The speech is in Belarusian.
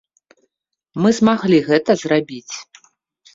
Мы змаглі гэта зрабіць.